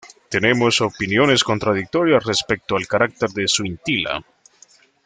Tenemos opiniones contradictorias respecto al carácter de Suintila.